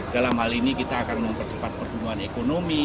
dalam hal ini kita akan mempercepat pertumbuhan ekonomi